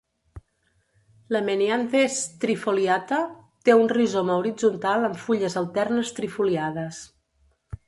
La "menyanthes trifoliata" té un rizoma horitzontal amb fulles alternes trifoliades.